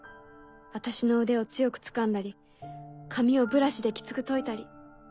あたしの腕を強くつかんだり髪をブラシできつくといたり。